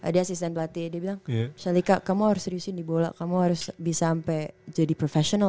dia asisten pelatih dia bilang selika kamu harus seriusin di bola kamu harus bisa sampai jadi profesional